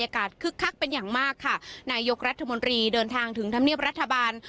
คึกคักเป็นอย่างมากค่ะนายกรัฐมนตรีเดินทางถึงธรรมเนียบรัฐบาล